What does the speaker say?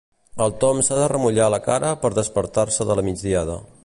El Tom s'ha de remullar la cara per despertar-se de la migdiada.